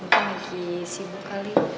mungkin lagi sibuk kali